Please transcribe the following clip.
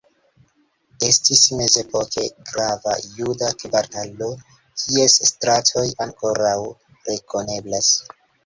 Estis mezepoke grava juda kvartalo, kies stratoj ankoraŭ rekoneblas.